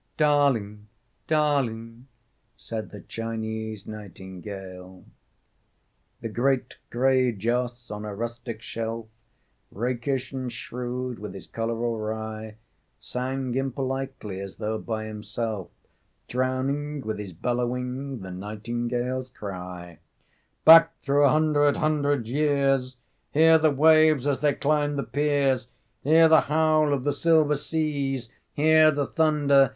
darling ... darling ..." Said the Chinese nightingale. The great gray joss on a rustic shelf, Rakish and shrewd, with his collar awry, Sang impolitely, as though by himself, Drowning with his bellowing the nightingale's cry: "Back through a hundred, hundred years Hear the waves as they climb the piers, Hear the howl of the silver seas, Hear the thunder.